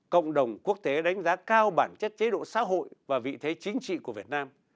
cộng đồng quốc tế đánh giá cao bản chất chế độ xã hội và vị thế chính trị của việt nam